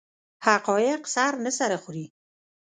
حقایق سر نه سره خوري.